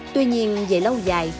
tuy nhiên về lâu dài